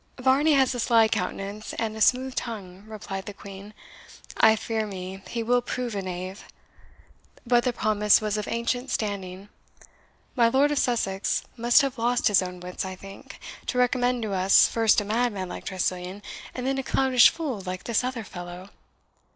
"Varney has a sly countenance and a smooth tongue," replied the Queen; "I fear me he will prove a knave. But the promise was of ancient standing. My Lord of Sussex must have lost his own wits, I think, to recommend to us first a madman like Tressilian, and then a clownish fool like this other fellow.